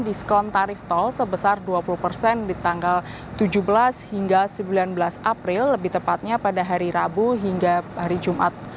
diskon tarif tol sebesar dua puluh persen di tanggal tujuh belas hingga sembilan belas april lebih tepatnya pada hari rabu hingga hari jumat